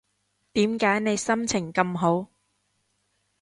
點解你心情咁好